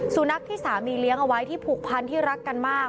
สุนัขที่สามีเลี้ยงเอาไว้ที่ผูกพันที่รักกันมาก